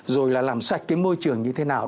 rồi là làm sạch cái môi trường như thế nào